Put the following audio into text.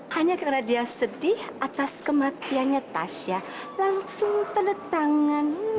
hanya karena dia sedih atas kematiannya tasha langsung terletangan